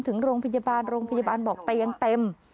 ถึงโรงพยาบาลโรงพยาบาลบอกเตียงเต็ม